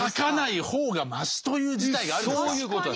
そういうことです。